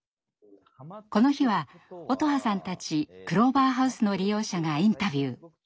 この日は音羽さんたちクローバーハウスの利用者がインタビュー。